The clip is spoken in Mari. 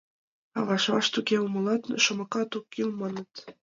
А ваш-ваш туге умылат — шомакат ок кӱл, маныт.